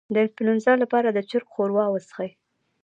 د انفلونزا لپاره د چرګ ښوروا وڅښئ